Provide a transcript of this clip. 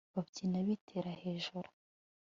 babyina biterera hejuru